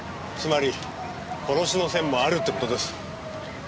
つまり殺しの線もあるって事です。